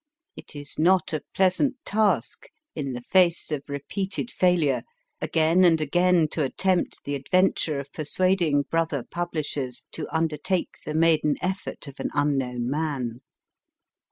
It is not a pleasant task, in the face of repeated failure, again and again to attempt the adventure of persuading brother publishers to undertake the maiden effort of an unknown man.